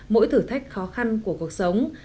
mỗi thử thách khó khăn của cuộc sống